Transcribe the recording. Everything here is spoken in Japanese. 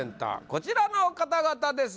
こちらの方々です